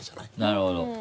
なるほど。